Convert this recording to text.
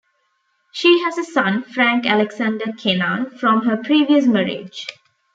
She has a son, Frank Alexander Kennan, from her previous marriage.